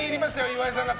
岩井さんが。